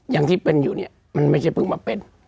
อย่างที่เป็นอยู่เนี่ยมันไม่ใช่เพิ่งมาเป็น